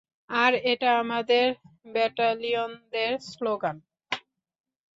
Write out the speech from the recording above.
আর এটা আমাদের ব্যাটালিয়নের স্লোগানও।